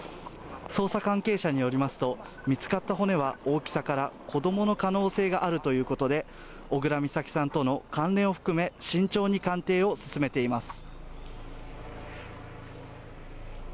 捜査関係者によりますと、見つかった骨は大きさから子供の可能性があるということで小倉美咲さんとの関連を含め、慎重に鑑定を進めています。